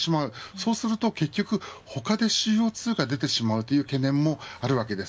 そうすると結局他でＣＯ２が出てしまうという懸念もあるわけです。